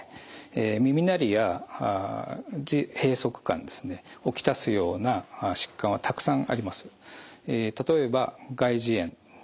耳鳴りや耳閉塞感を来すような疾患はたくさんあります。